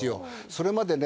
それまでね